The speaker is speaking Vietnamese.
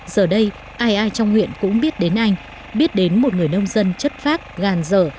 giờ đây ai ai trong huyện cũng biết đến anh biết đến một người nông dân chất phác gàn dở